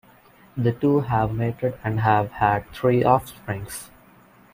The two have mated and have had three offspring.